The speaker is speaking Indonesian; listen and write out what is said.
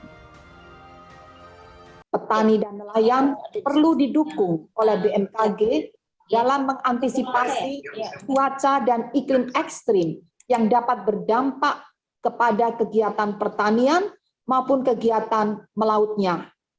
nah petani dan nelayan perlu didukung oleh bmkg dalam mengantisipasi cuaca dan iklim ekstrim yang dapat berdampak kepada kegiatan pertanian maupun kegiatan melautnya